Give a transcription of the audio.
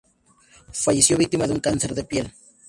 Falleció víctima de un cáncer de piel.